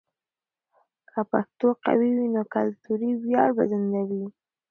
که پښتو قوي وي، نو کلتوري ویاړ به زنده وي.